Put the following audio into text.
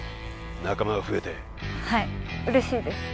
仲間が増えてはい嬉しいです